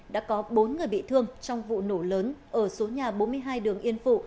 đã có bốn người bị thương trong vụ nổ lớn ở số nhà bốn mươi hai đường yên phụ